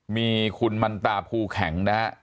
มีความรู้สึกว่า